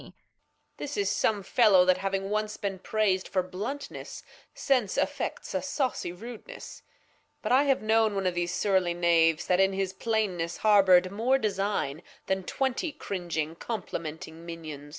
Reg. This is some FeUow, that having once been prais'd For Bluntness, since affects a sawcy Rudeness ; But I have known one of these surly Knaves, That in his Plainness harbour'd more Design Then twenty cringing complementing Minions.